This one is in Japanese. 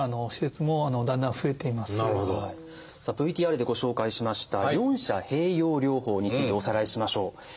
さあＶＴＲでご紹介しました四者併用療法についておさらいしましょう。